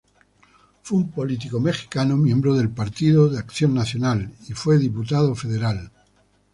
Fue un político mexicano, miembro del Partido Acción Nacional, fue Diputado Federal.